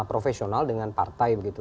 profesional dengan partai gitu